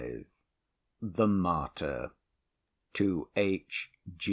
V THE MARTYR [_To H.